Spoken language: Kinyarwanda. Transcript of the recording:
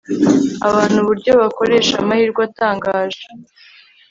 abantu uburyo bakoresha amahirwe atangaje